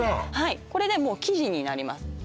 これでもう生地になります